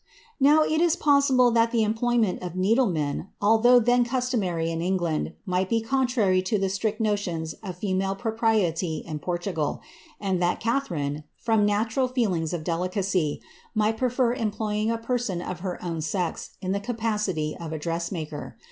Now, it is possible that the employment of needle men although then customary in England, might be contrary to the strict notions of female propriety in Portugal ; and that CsthanDei from natural feelings of delicacy, might prefer employing a person of her own sex in the capacity of a dressmaker.